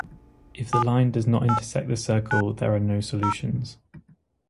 If the line does not intersect the circle, there are no solutions.